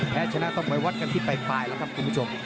แพ้ชนะต้องไปวัดกันที่ปลายแล้วครับคุณผู้ชม